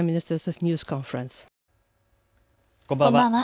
こんばんは。